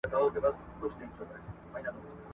د غپا او انګولا یې ورک درک سي ..